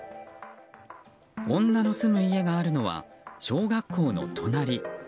女の住む家があるのは小学校の隣。